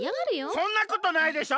そんなことないでしょ！